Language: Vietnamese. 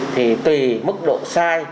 thì tùy mức độ sai